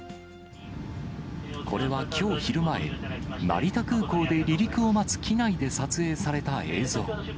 これはきょう昼前、成田空港で離陸を待つ機内で撮影された映像。